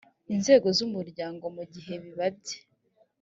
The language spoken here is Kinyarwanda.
inzego z umuryango mu gihe bibabye